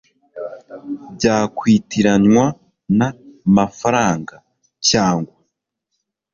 byakwitiranywa n amafaranga cyangwa